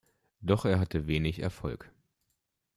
Doch er hatte wenig Erfolg.